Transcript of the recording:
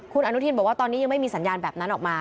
คุณอนุทินบอกว่าตอนนี้ยังไม่มีสัญญาณแบบนั้นออกมา